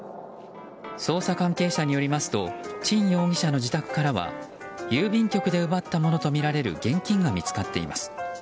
捜査関係者によりますとチン容疑者の自宅からは郵便局で奪ったものとみられる現金が見つかっています。